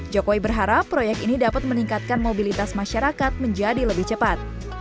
jokowi berharap proyek ini dapat meningkatkan mobilitas masyarakat menjadi lebih cepat